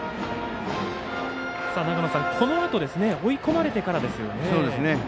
このあと追い込まれてからですよね。